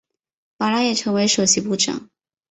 马拉也成为首席部长。